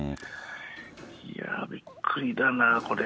いやー、びっくりだな、こりゃ。